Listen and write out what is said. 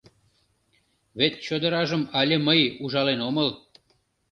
Вет чодыражым але мый ужален омыл.